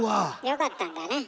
よかったんだね。